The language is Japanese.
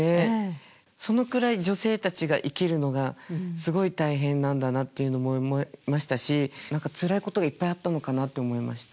そのくらい女性たちが生きるのがすごい大変なんだなって思いましたし何かつらいことがいっぱいあったのかなって思いました。